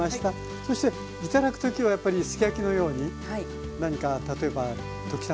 そして頂く時はやっぱりすき焼きのように何か例えば溶き卵。